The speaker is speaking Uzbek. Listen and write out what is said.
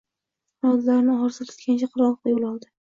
Qanotlarini og‘ir silkigancha qirg‘oqqa yo‘l oldi.